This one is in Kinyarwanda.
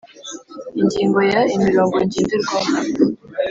Ingingo ya imirongo ngenderwaho